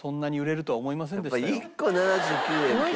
１個７９円って。